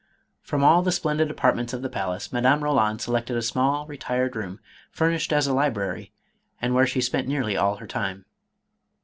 From all the splendid apartments of the palace, Madame Roland selected a small, retired room, fur nished as a library, and where she spent nearly all her time.